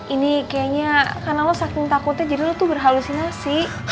ini kayaknya karena lo saking takutnya jadi lo tuh berhalusinasi